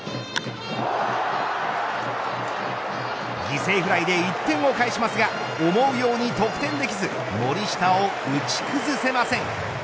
犠牲フライで１点を返しますが思うように得点できず森下を打ち崩せません。